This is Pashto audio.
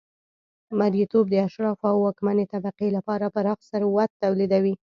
مریتوب د اشرافو او واکمنې طبقې لپاره پراخ ثروت تولیدوي